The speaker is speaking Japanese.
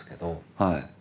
はい。